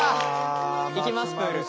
行きますプール。